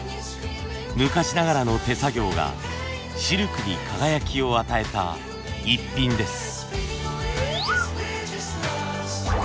昔ながらの手作業がシルクに輝きを与えたイッピンです。